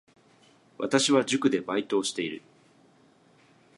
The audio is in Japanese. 私は塾でバイトをしている